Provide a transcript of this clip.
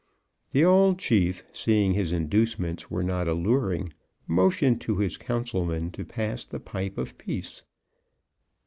The old chief, seeing his inducements were not alluring, motioned to his councilman to pass the pipe of peace.